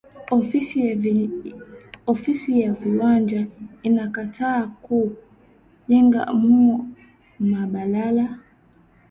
Ofisi ya viwanja ina katala ku jenga mu ma balala